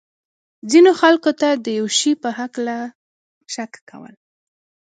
ځینو خلکو ته د یو شي په هکله شک کول.